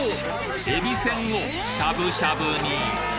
えびせんをしゃぶしゃぶに！？